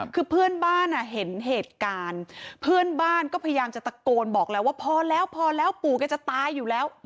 คือเพื่อนบ้านเห็นเหตุการณ์เพื่อนบ้านก็พยายามจะตะโกนบอกแล้วว่าพอแล้วพอแล้วปู่แกจะตายอยู่แล้ว